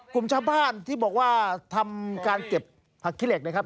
กลุ่มชาวบ้านที่บอกว่าทำการเก็บผักขี้เหล็กนะครับ